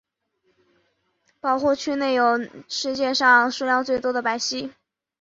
保护区内有世界上数量最多的白犀。